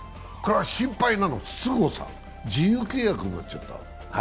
心配なのは筒香さん、自由契約になっちゃった。